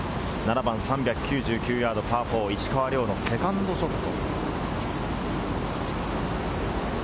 ７番３９９ヤード、パー４、石川遼のセカンドショット。